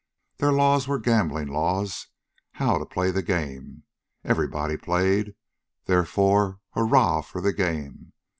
Their laws were gambling laws how to play the game. Everybody played. Therefore, hurrah for the game.